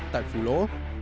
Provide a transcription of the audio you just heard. tại phủ lỗ